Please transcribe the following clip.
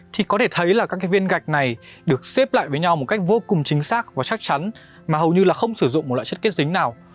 thì có thể thấy là các cái viên gạch này được xếp lại với nhau một cách vô cùng chính xác và chắc chắn mà hầu như là không sử dụng một loại chất kết dính nào